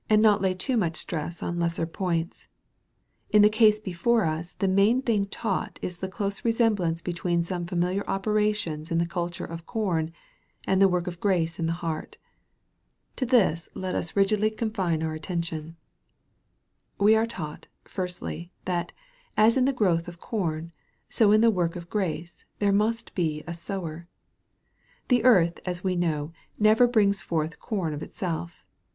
73 not lay too much stress on lesser points. In the case be fore us the main thing taught is the close resemblance between some familiar operations in the culture of corn, and the work of grace in the heart. To this let us rigidly confine our attention. We are taught, firstly, that, as in the growth of corn, so in the work of grace, there must be a sower. . The earth, as we all know, never brings forth corn of itself.